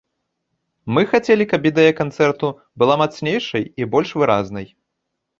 Мы хацелі, каб ідэя канцэрту была мацнейшай і больш выразнай.